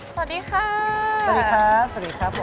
สวัสดีค่ะ